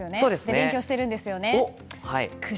勉強してるんですよね。